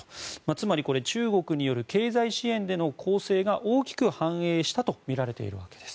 つまり中国による経済支援での攻勢が大きく反映したとみられているわけです。